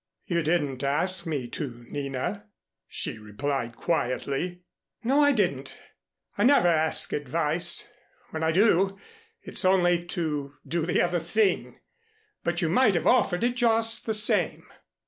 "You didn't ask me to, Nina," she replied quietly. "No, I didn't. I never ask advice. When I do, it's only to do the other thing. But you might have offered it just the same."